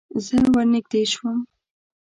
زه ور نږدې شوم.